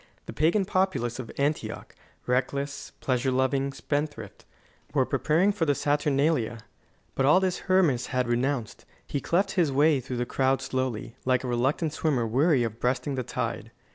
The pagan populace of Antioch reckless, pleasure loving, spendthrift were preparing for the Saturnalia. But all this Hermas had renounced. He cleft his way through the crowd slowly, like a reluctant swimmer weary of breasting the tide.